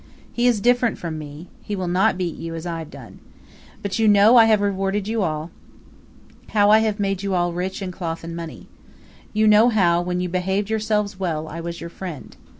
He is different from me; he will not beat you, as I have done. But you know I have rewarded you all how I have made you all rich in cloth and money. You know how, when you behaved yourselves well, I was your friend.